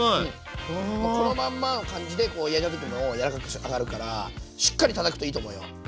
このまんまの感じで柔らかく仕上がるからしっかりたたくといいと思うよ。